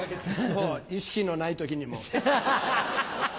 そう意識のない時にも。